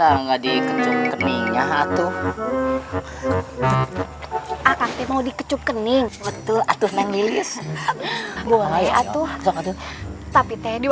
aku tidak ada waktu untuk meladenimu bocah kecil